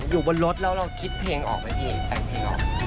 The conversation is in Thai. อยู่บนรถแล้วเราคิดเพลงออกไหมพี่แต่งเพลงออก